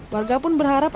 warga pun berharap